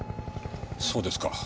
そうですか。